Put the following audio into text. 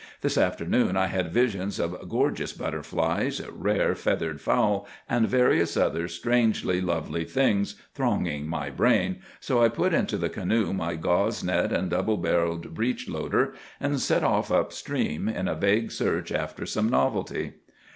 This afternoon I had visions of gorgeous butterflies, rare feathered fowl, and various other strangely lovely things thronging my brain, so I put into the canoe my gauze net and double barrelled breech loader, and set off up stream in a vague search after some novelty.